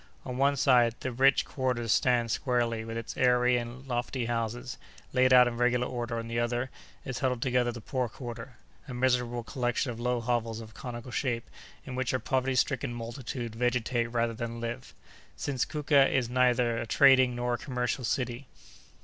On one side, the rich quarter stands squarely with its airy and lofty houses, laid out in regular order; on the other, is huddled together the poor quarter, a miserable collection of low hovels of a conical shape, in which a poverty stricken multitude vegetate rather than live, since Kouka is neither a trading nor a commercial city.